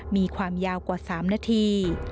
มีความยาวกว่า๓นาที